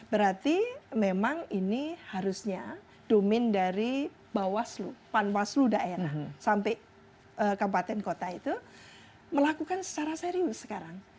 berarti memang ini harusnya domin dari bawah slu pan bawah slu daerah sampai kabupaten kota itu melakukan secara serius sekarang